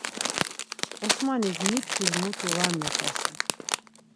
Osmanik mitis mutu var meçasen.